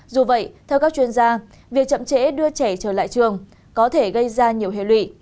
dù vậy theo các chuyên gia việc chậm chẽ đưa trẻ trở lại trường có thể gây ra nhiều hệ lụy